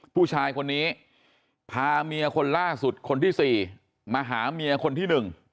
ผู้ชายคนนี้พาเมียคนล่าสุดคนที่๔มาหาเมียคนที่๑